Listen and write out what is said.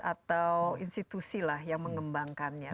atau institusi lah yang mengembangkannya